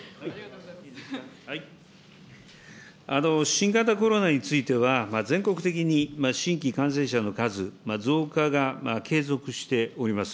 新型コロナについては、全国的に新規感染者の数、増加が継続しております。